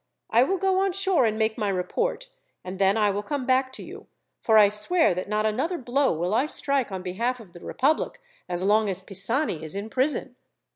I will go on shore and make my report, and then I will come back to you, for I swear that not another blow will I strike on behalf of the republic, as long as Pisani is in prison."